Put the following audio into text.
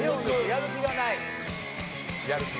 「やる気がない」。